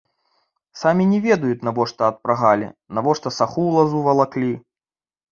Самі не ведаюць, навошта адпрагалі, навошта саху ў лазу валаклі.